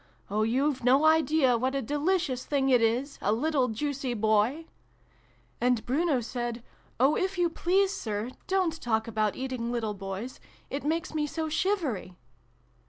Oh, you've no idea what a delicious thing it is a little juicy Boy !' And Bruno said ' Oh, if you please, 232 SYLVIE AND BRUNO CONCLUDED. Sir, dorit talk about eating little boys ! It makes me so shivery!